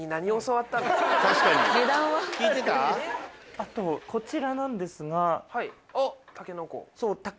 あとこちらなんですが。